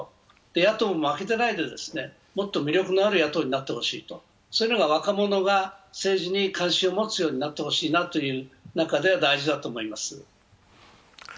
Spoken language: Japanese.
野党も負けてないで、もっと魅力のある野党になってほしい、そういうのが若者が政治に関心を持ってほしいなと思う中では大事だと思います。